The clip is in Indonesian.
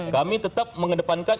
kami tetap mengedepankan